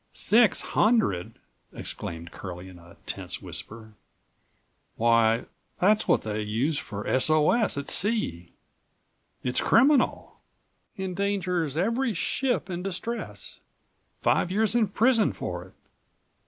"Six hundred!" exclaimed Curlie in a tense whisper. "Why, that's what they use for S.O.S. at sea! It's criminal. Endangers every ship in distress. Five years in prison for it.